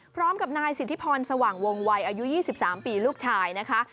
พร้อมกับนายสิทธิพรสว่างวงวัยอายุ๒๓ปีลูกชายนะคะ